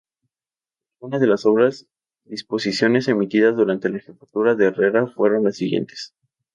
Algunas de las otras disposiciones emitidas durante la Jefatura de Herrera fueron las siguientes.